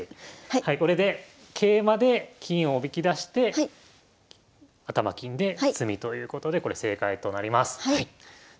はいこれで桂馬で金をおびき出して頭金で詰みということでこれ正解となります。